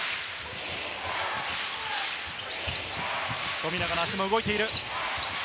富永の足も動いている。